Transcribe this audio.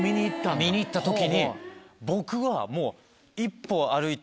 見に行った時に僕はもう。